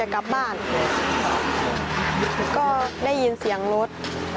ก็ได้ยินเสียงรถ